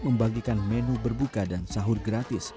membagikan menu berbuka dan sahur gratis